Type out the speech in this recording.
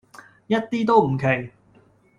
一啲都唔奇